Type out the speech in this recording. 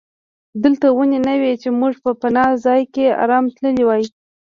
دلته ونې نه وې چې موږ په پناه ځای کې آرام تللي وای.